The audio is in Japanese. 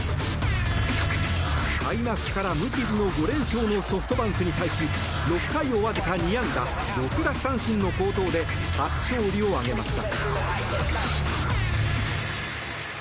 開幕から無傷の５連勝のソフトバンクに対し６回をわずか２安打６奪三振の好投で初勝利を挙げました。